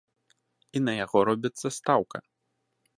І на яго робіцца стаўка.